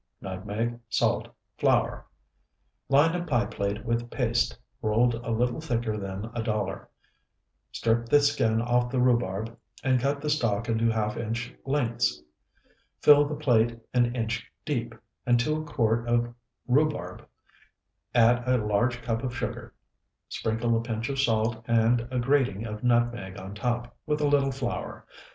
Nutmeg. Salt. Flour. Line a pie plate with paste rolled a little thicker than a dollar. Strip the skin off the rhubarb and cut the stalk into half inch lengths. Fill the plate an inch deep, and to a quart of rhubarb add a large cup of sugar. Sprinkle a pinch of salt, and a grating of nutmeg on top, with a little flour.